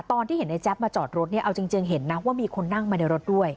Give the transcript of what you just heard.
ตอนที่เห็นในแจ๊บมาจอดรถเนี่ยเอาจริงเห็นนะว่ามีคนนั่งมาในรถด้วย